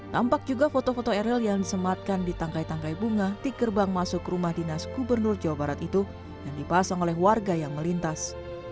tampak juga foto foto eril yang disematkan di tangkai tangkai bunga di gerbang masuk rumah dinas gubernur jawa barat itu yang dipasang oleh warga yang melintas